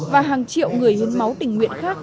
và hàng triệu người hiến máu tỉnh huyện khác